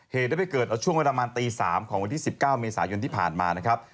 เหตุได้ไปเกิดเอาช่วงเวลาประมาณตี๓ของวันที่๑๙เมษายนที่ผ่านมานะครับ